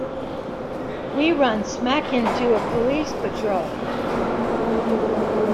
We run smack into a police patrol.